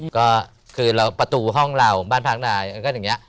ก็คือเราประตูห้องเราบ้านพักนายก็อย่างนี้